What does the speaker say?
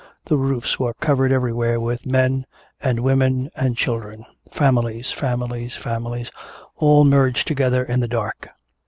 The roofs were covered everywhere with men and women and children families, families, families, all merged together in the dark.